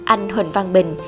anh huỳnh văn bình